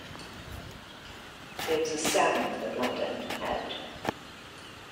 There was a sound that London had.